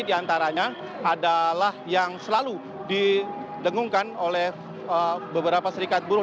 diantaranya adalah yang selalu didengungkan oleh beberapa serikat buruh